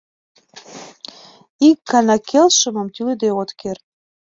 Ик гана келшымым тӱлыде от керт!